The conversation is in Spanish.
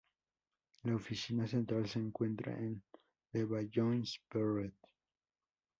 La oficina central se encuentra en Levallois-Perret.